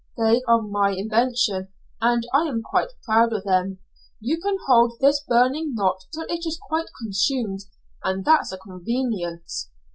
They are my invention, and I am quite proud of them. You can hold this burning knot until it is quite consumed, and that's a convenience."